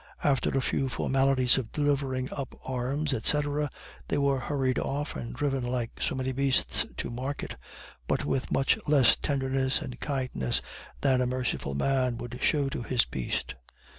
After a few formalities of delivering up arms, &c., they were hurried off and driven like so many beasts to market, but with much less tenderness and kindness than a merciful man would show to his beast.